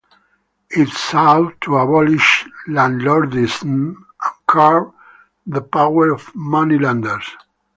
It sought to abolish landlordism and curb the power of moneylenders.